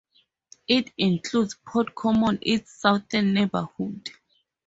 It includes Pot Common its southern neighbourhood.